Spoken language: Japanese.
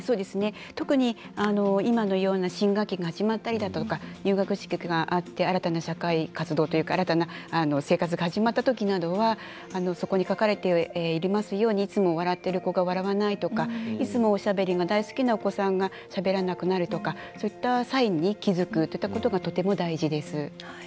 特に今のような新学期が始まったりだとか入学式があって新たな社会活動というか新たな生活が始まったときなどはそこに書かれていますようにいつも笑ってる子が笑わないとかいつも、おしゃべりが大好きなお子さんがしゃべらなくなるとかそういったサインに気付くといったことが、とても大事です。